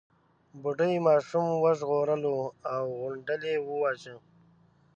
بوډۍ ماشوم وژغورلو او غونډل يې وواژه.